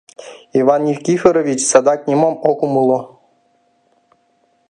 Иван Никифорович садак нимом ок умыло.